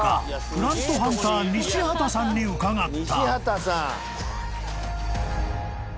プラントハンター西畠さんに伺った］